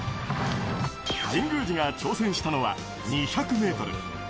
神宮寺が挑戦したのは２００メートル。